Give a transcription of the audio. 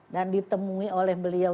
dan ditemui oleh beliau